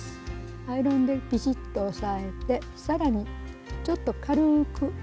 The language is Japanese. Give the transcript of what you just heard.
アイロンでピシッと押さえてさらにちょっと軽く。